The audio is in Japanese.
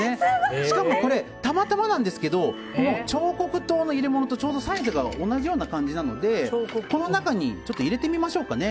しかもこれたまたまなんですけど彫刻刀の入れ物とちょうどサイズが同じような感じなのでこの中に入れてみましょうか。